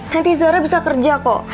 henti zara bisa kerja kok